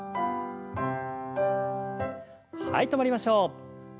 はい止まりましょう。